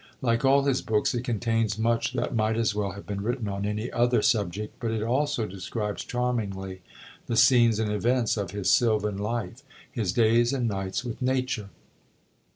Like all his books, it contains much that might as well have been written on any other subject; but it also describes charmingly the scenes and events of his sylvan life, his days and nights with Nature.